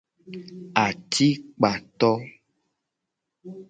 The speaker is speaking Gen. Atikpato.